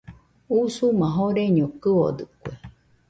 Usuma joreño kɨodɨkue.